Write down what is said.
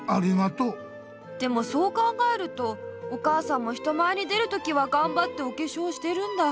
でもそう考えるとお母さんも人前に出るときはがんばっておけしょうしてるんだ。